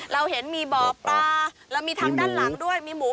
เราเห็นมีบ่อปลาเรามีทางด้านหลังด้วยมีหมู